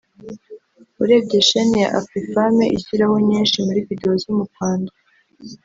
urebye shene ya Afrifame ishyiraho nyinshi muri video zo mu Rwanda